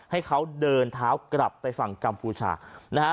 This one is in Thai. ให้เขาเดินเท้ากลับไปฝั่งกัมพูชานะฮะ